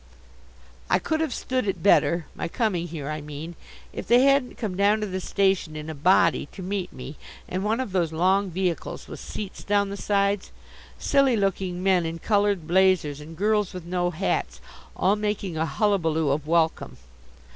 I could have stood it better my coming here, I mean if they hadn't come down to the station in a body to meet me in one of those long vehicles with seats down the sides: silly looking men in coloured blazers and girls with no hats, all making a hullabaloo of welcome.